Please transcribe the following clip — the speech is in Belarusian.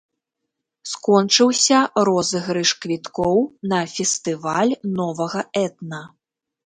Скончыўся розыгрыш квіткоў на фестываль новага этна.